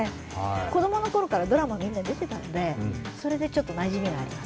子供のころからドラマみんな出てたんで、それでちょっと、なじみがあります。